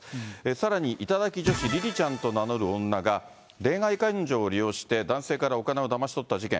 さらに頂き女子りりちゃんと名乗る女が、恋愛感情を利用して男性からお金をだまし取った事件。